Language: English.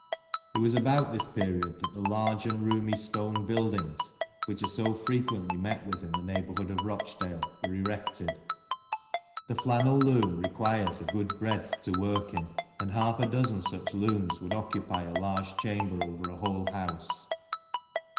It was about this period that the large and roomy stone buildings which are so frequently met with in the neighbourhood of Eochdale were erected. The flannel loom requires a good breadth to work in, and half a dozen such looms would occupy a large chamber over a whole house.